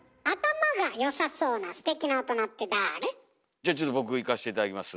じゃちょっと僕いかして頂きます。